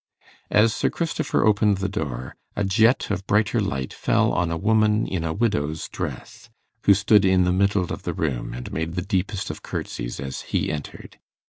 As Sir Christopher opened the door, a jet of brighter light fell on a woman in a widow's dress, who stood in the middle of the room, and made the deepest of curtsies as he entered.